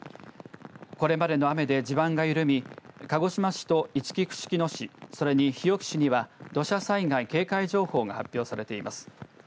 これまでの雨で地盤が緩み鹿児島市といちき串木野市それに日置市には土砂災害警戒情報が発表されています。